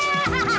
tidak tidak tidak